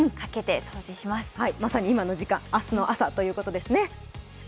まさに今の時間、明日の朝ということですね。